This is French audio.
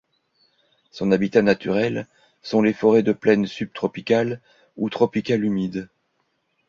Son habitat naturel sont les forêts de plaine subtropical ou tropicale humide.